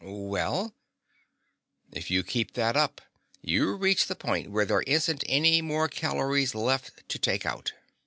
"Well?" "If you keep that up you reach the point where there aren't any more calories left to take out.